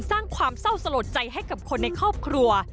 สร้างความเศร้าสลดใจให้กับคนในครอบครัว